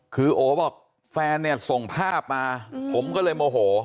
คือโอบอกแฟนเนี่ยส่งภาพมาผมก็เลยโมโห